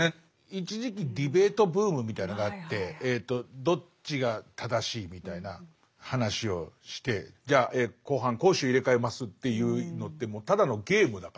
一時期ディベートブームみたいのがあってどっちが正しいみたいな話をしてじゃあ後半攻守入れ替えますっていうのってもうただのゲームだから。